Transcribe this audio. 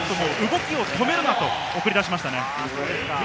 動きを止めるなと送り出しましたね。